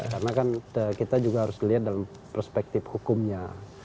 karena kan kita juga harus melihat dalam perspektif hukumnya